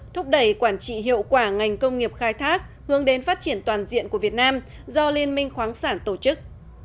thúc đẩy quản trị hiệu quả ngành công nghiệp khai thác hướng đến phát triển toàn diện của việt nam do liên minh khoáng sản tổ chức